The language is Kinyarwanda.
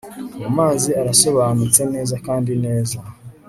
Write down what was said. mu mazi arasobanutse neza kandi neza